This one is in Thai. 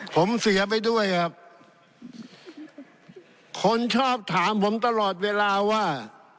ผมเสียไปด้วยครับคนชอบถามผมตลอดเวลาว่า